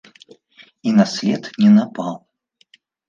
І на след не напаў.